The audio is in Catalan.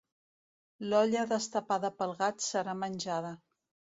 L'olla destapada pel gat serà menjada.